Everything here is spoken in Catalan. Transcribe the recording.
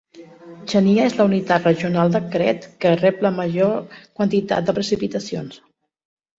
Chania és la unitat regional de Crete que rep la major quantitat de precipitacions.